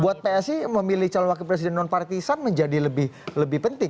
buat psi memilih calon wakil presiden non partisan menjadi lebih penting